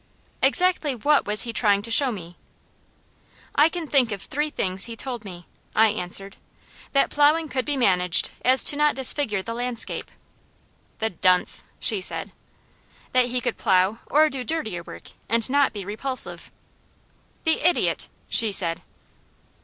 "Exactly WHAT was he trying to show me?" "I can think of three things he told me," I answered. "That plowing could be so managed as not to disfigure the landscape " "The dunce!" she said. "That he could plow or do dirtier work, and not be repulsive " "The idiot!" she said.